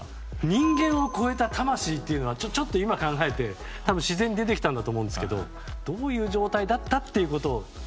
人間を超えた魂っていうのはちょっと今考えて、自然と出てきたんだと思うんですけどどういう状態だったっていうことを。